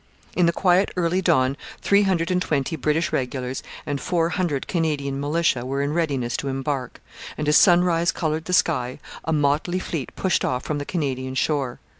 In the quiet early dawn 320 British regulars and 400 Canadian militia were in readiness to embark; and, as sunrise coloured the sky, a motley fleet pushed off from the Canadian shore.